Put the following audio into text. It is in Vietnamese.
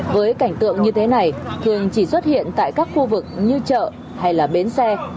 với cảnh tượng như thế này thường chỉ xuất hiện tại các khu vực như chợ hay là bến xe